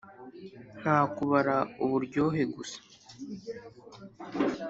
nta kubara uburyohe gusa